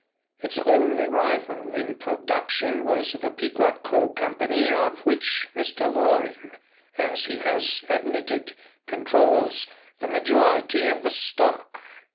Its only rival in production was the Pequot Coal Company, of which Mr. Loring, as he has admitted, controls the majority of the stock.